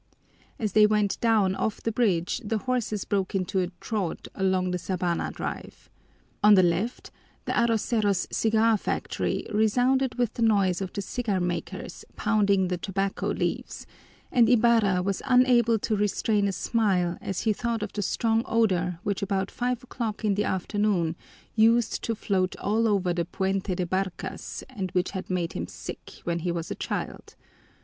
As they went down off the bridge the horses broke into a trot along the Sabana Drive. On the left the Arroceros Cigar Factory resounded with the noise of the cigar makers pounding the tobacco leaves, and Ibarra was unable to restrain a smile as he thought of the strong odor which about five o'clock in the afternoon used to float all over the Puente de Barcas and which had made him sick when he was a child.